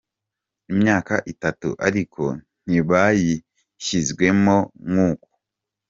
imyaka itatu ariko ntibayishyizwemo nk’uko.